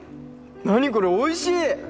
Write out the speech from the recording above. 何これおいしい！